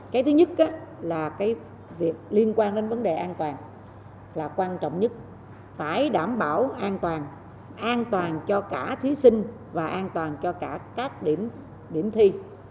cái thứ nhất là việc liên quan đến vấn đề an toàn là quan trọng nhất phải đảm bảo an toàn an toàn cho cả thí sinh và an toàn cho cả các điểm thi